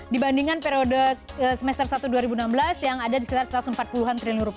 dibandingkan periode semester satu dua ribu enam belas yang ada di sekitar rp satu ratus empat puluh an triliun